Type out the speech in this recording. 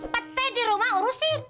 petek di rumah urusin